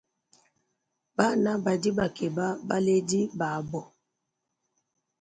Bana badi bakeba baledi babo.